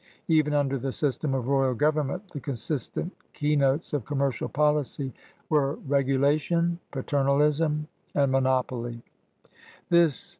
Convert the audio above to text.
Even imder the system of royal government, the consistent keynotes of commercial policy were regulation, paternalism, and monopoly.